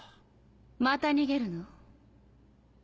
また逃げるの？